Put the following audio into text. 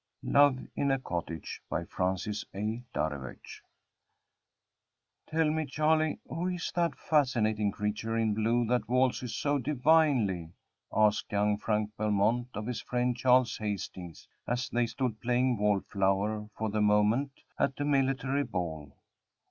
LOVE IN A COTTAGE. "Tell me, Charley, who is that fascinating creature in blue that waltzes so divinely?" asked young Frank Belmont of his friend Charles Hastings, as they stood "playing wallflower" for the moment, at a military ball.